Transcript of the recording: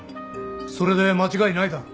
それで間違いないだろう。